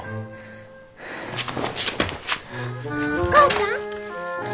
お母ちゃん！